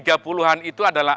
tiga puluh an itu adalah